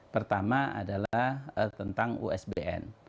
pertama adalah tentang usbn